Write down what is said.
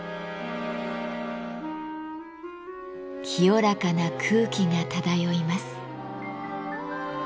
清らかな空気が漂います。